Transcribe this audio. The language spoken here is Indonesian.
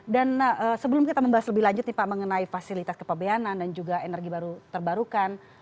dan sebelum kita membahas lebih lanjut nih pak mengenai fasilitas kepabayanan dan juga energi baru terbarukan